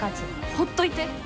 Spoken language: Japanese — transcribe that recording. ほっといて。